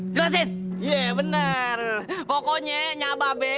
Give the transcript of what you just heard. dasar pada bander